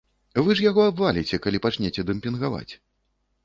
Вы ж яго абваліце, калі пачнеце дэмпінгаваць!